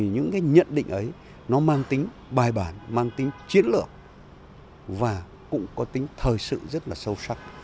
những cái nhận định ấy nó mang tính bài bản mang tính chiến lược và cũng có tính thời sự rất là sâu sắc